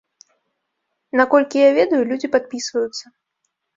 Наколькі я ведаю, людзі падпісваюцца.